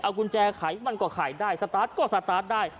กุญแจไขมันก็ไขได้สตาร์ทก็สตาร์ทได้